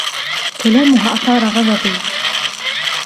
كلامها أثار غضبي.